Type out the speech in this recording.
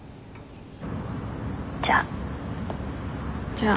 じゃあ。